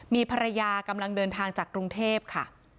มีภรรยากำลังเดินทางจากกรุงเทพค่ะ